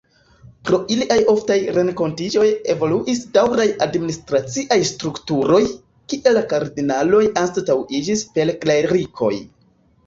Pro iliaj oftaj renkontiĝoj evoluis daŭraj administraciaj strukturoj, kie la kardinaloj anstataŭiĝis per klerikoj.